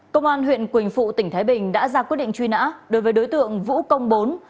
công an huyện quỳnh phụ tỉnh thái bình đã ra quyết định truy nã đối với đối tượng vũ công bốn